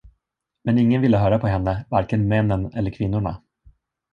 Men ingen ville höra på henne, varken männen eller kvinnorna.